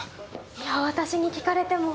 いや私に聞かれても。